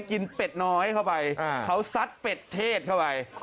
เขาซัดเป็ดเทศเข้าไป